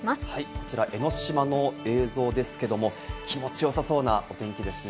こちら江の島の映像ですけど、気持ちよさそうなお天気ですね。